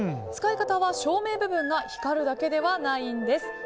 使い方は照明部分が光るだけではないんです。